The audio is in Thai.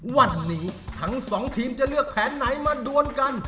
วันนี้ทั้งสองทีมจะเลือกแผนไหนมาดวนกัน